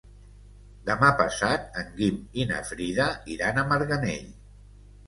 Demà passat en Guim i na Frida iran a Marganell.